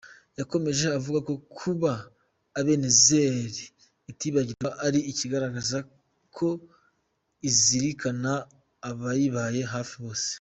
Yakomeje avuga ko kuba Ebenezer itibagirwa ari ikigaragaza ko izirikana abayibaye hafi bose.